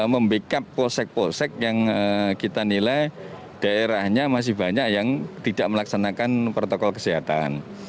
membackup polsek polsek yang kita nilai daerahnya masih banyak yang tidak melaksanakan protokol kesehatan